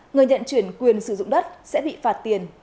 người nhận chuyển quyền sử dụng đất đai